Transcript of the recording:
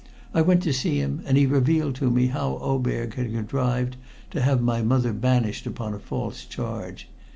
I went to see him, and he revealed to me how Oberg had contrived to have my mother banished upon a false charge.